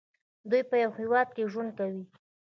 دوی په یو هیواد کې ژوند کوي.